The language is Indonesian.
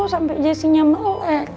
sampe jessy nya melek